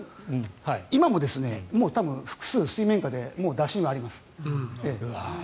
今も多分、複数水面下で打診はあります。